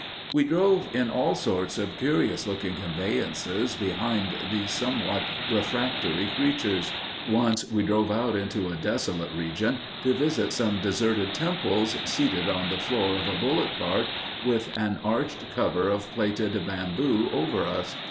We drove in all sorts of curious looking conveyances behind these somewhat refractory creatures. Once we drove out into a desolate region to visit some deserted temples, seated on the floor of a bullock cart with an arched cover of plaited bamboo over us.